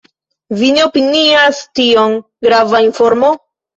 Vi ne opinias tion grava informo?